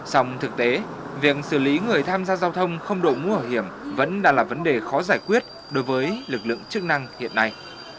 xong thực tế việc xử lý người tham gia giao thông không đội mũ bảo hiểm vẫn đang là vấn đề khó giải quyết đối với lực lượng chức năng hiện nay